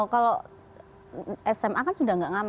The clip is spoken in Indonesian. kalau sma kan sudah gak ngamen